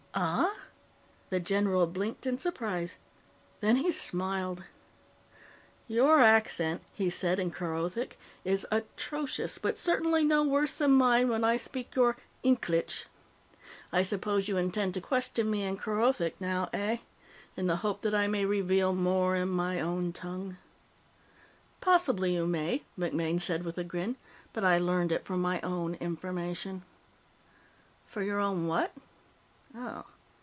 _ "Ah?" The general blinked in surprise. Then he smiled. "Your accent," he said in Kerothic, "is atrocious, but certainly no worse than mine when I speak your Inklitch. I suppose you intend to question me in Kerothic now, eh? In the hope that I may reveal more in my own tongue?" "Possibly you may," MacMaine said with a grin, "but I learned it for my own information." "For your own what? Oh.